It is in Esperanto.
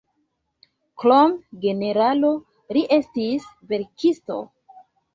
Krom generalo, li estis verkisto.